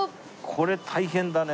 これ大変だね